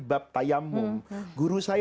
bab tayammum guru saya